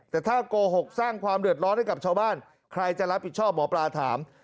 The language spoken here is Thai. แต่ถ้าโกหกสร้างความเดือดร้อนให้กับชาวบ้านใครจะรับผิดชอบหมอปลาถาม